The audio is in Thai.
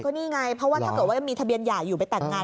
นี่ไงเพราะว่าถ้าเกิดว่ายังมีทะเบียนใหญ่อยู่ไปแต่งงาน